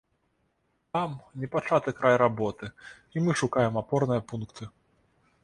Там непачаты край работы, і мы шукаем апорныя пункты.